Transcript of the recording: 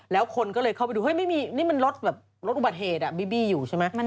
แล้วคนก็เลยเข้าไปดูนี่มันรถอุบัติเหตุบี้อยู่ใช่ไหม